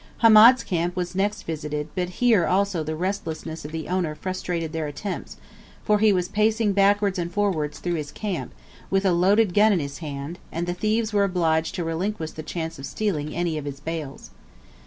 Hamed's camp was next visited; but here also the restlessness of the owner frustrated their attempts, for he was pacing backwards and forwards through his camp, with a loaded gun in his hand; and the thieves were obliged to relinquish the chance of stealing any of his bales.